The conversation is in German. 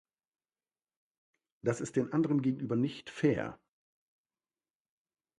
Das ist den anderen gegenüber nicht fair.